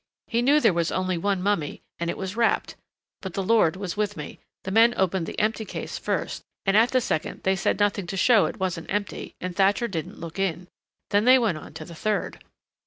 He knew there was only one mummy and it was wrapped. But the Lord was with me. The men opened the empty case first and at the second they said nothing to show it wasn't empty and Thatcher didn't look in. Then they went on to the third."